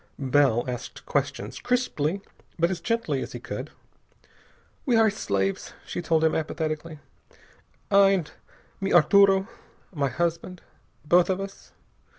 Bell asked questions, crisply, but as gently as he could. "We are his slaves," she told him apathetically. "I and mi Arturo my husband. Both of us...."